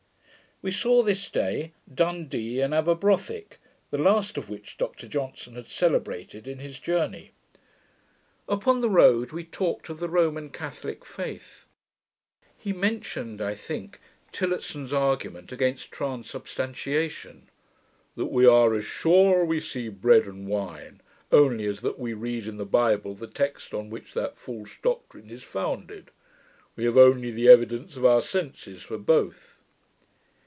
We saw, this day, Dundee and Aberbrothick, the last of which Dr Johnson has celebrated in his Journey. Upon the road we talked of the Roman Catholick faith. He mentioned (I think) Tillotson's argument against transubstantiation; 'That we are as sure we see bread and wine only, as that we read in the Bible the text on which that false doctrine is founded. We have only the evidence of our senses for both.